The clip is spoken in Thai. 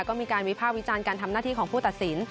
ก็มีการวิภาควิจารณ์การทำหน้าที่ของผู้ตัดสิน